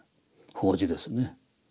法事ですね。